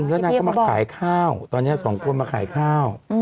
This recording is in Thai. แล้วนางก็มาขายข้าวตอนนี้สองคนมาขายข้าว